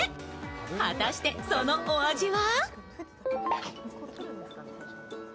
果たして、そのお味は？